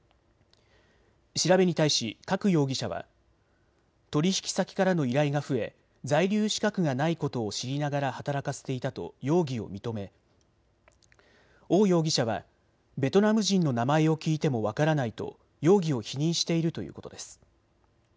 調べに対し郭容疑者は取引先からの依頼が増え在留資格がないことを知りながら働かせていたと容疑を認め王容疑者はベトナム人の名前を聞いても分からないと容疑を否認しているということです。